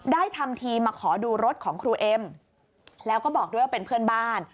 ทำทีมาขอดูรถของครูเอ็มแล้วก็บอกด้วยว่าเป็นเพื่อนบ้าน